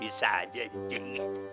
bisa aja incing